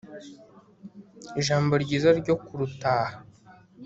Ijambo ryiza ryo kurutaha